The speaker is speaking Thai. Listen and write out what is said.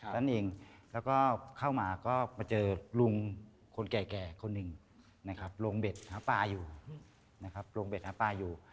แล้วเข้ามาก็มาเจอลุงคนแก่คนหนึ่งโรงเบ็ดหาปลาอยู่